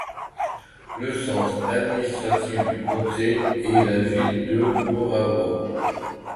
Le centre administratif du comté est la ville de Morawa.